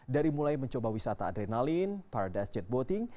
dari mulai mencoba wisata adrenalin paradise jet botting